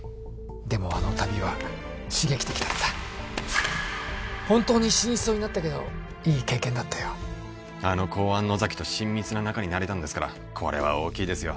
でもあの旅は刺激的だった本当に死にそうになったけどいい経験だったよあの公安野崎と親密な仲になれたんですからこれは大きいですよ